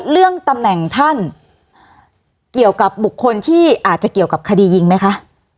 เรื่องตำแหน่งท่านเกี่ยวกับบุคคลที่อาจจะเกี่ยวกับคดียิงไหมคะ